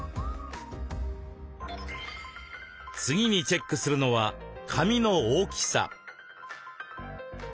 次にチェックするのは紙の大きさ。